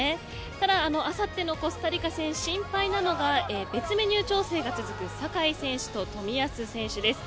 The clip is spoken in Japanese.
ただ、あさってのコスタリカ戦、心配なのが別メニュー調整が続く酒井選手と冨安選手です。